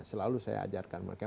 selalu saya ajarkan mereka